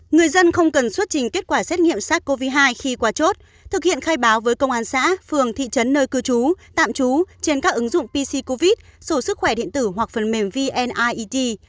người dân không cần xuất trình kết quả xét nghiệm sars cov hai khi qua chốt thực hiện khai báo với công an xã phường thị trấn nơi cư trú tạm trú trên các ứng dụng pc covid sổ sức khỏe điện tử hoặc phần mềm vnit